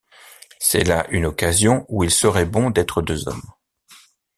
C’est là une occasion où il serait bon d’être deux hommes.